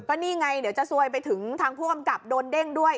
ก็นี่ไงเดี๋ยวจะซวยไปถึงทางผู้กำกับโดนเด้งด้วย